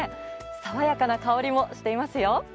爽やかな香りもしていますよ。